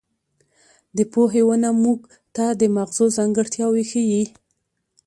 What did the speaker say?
د پوهې ونه موږ ته د مغزو ځانګړتیاوې ښيي.